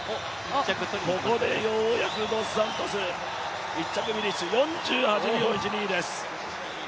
ここでようやくドスサントス、１着フィニッシュ、４８秒１２です。